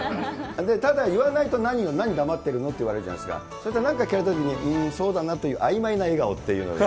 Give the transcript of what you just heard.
ただ、言わないと何黙ってるのって言われるじゃないですか、そうしたら、何か聞かれたときに、うーんという、あいまいな笑顔っていうのを。